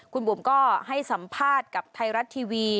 คุณบุ๋มก็ให้สัมภาษณ์กับไทยรัฐทีวี